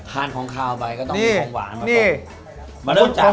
ทานของขาวไปก็ต้องมีของหวานมาตรง